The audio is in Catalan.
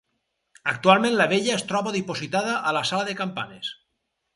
Actualment la vella es troba dipositada a la sala de campanes.